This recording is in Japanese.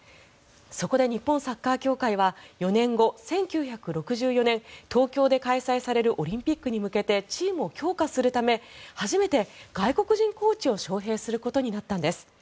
そこで日本サッカー協会は４年後１９６４年に東京で開催されるオリンピックに向けてチームを強化するため初めて外国人コーチを招へいすることになったんです。